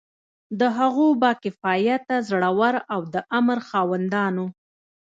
د هغو با کفایته، زړه ور او د امر خاوندانو.